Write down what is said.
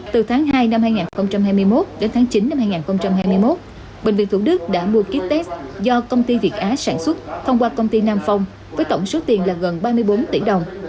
từ tháng hai năm hai nghìn hai mươi một đến tháng chín năm hai nghìn hai mươi một bệnh viện thủ đức đã mua kit test do công ty việt á sản xuất thông qua công ty nam phong với tổng số tiền là gần ba mươi bốn tỷ đồng